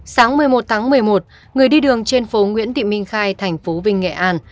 sáng một mươi một tháng một mươi một người đi đường trên phố nguyễn thị minh khai thành phố vinh nghệ an